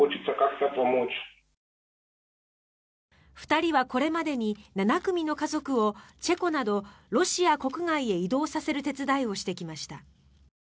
２人はこれまでに７組の家族をチェコなどロシア国外へ移動させる手伝いをしてきました。